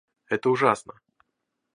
Это ужасно.